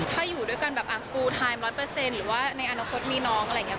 ถ้าอยู่ด้วยกันแบบฟูไทม์๑๐๐หรือว่าในอนาคตมีน้องอะไรอย่างนี้